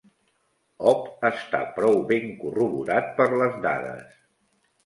Opp està prou ben corroborat per les dades.